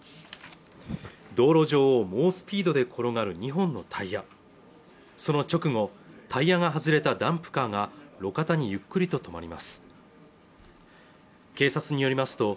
道路上を猛スピードで転がる２本のタイヤその直後タイヤが外れたダンプカーが路肩にゆっくりと止まります